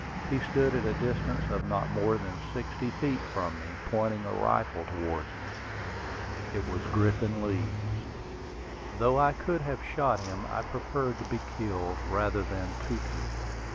He stood at a distance of not more than sixty feet from me, pointing a rifle towards me. It was Griffin Leeds. Though I could have shot him, I preferred to be killed rather than to kill.